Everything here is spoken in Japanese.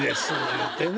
いうてね。